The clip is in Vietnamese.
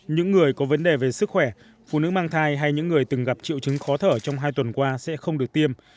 những người có vấn đề về sức khỏe phụ nữ mang thai hay những người từng gặp triệu chứng khó thở trong hai tuần qua sẽ không được tiêm